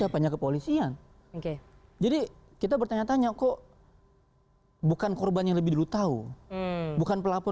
banyak yang lebih dulu tahu bukan pelapor